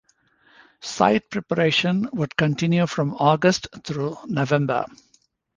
Site preparation would continue from August through November.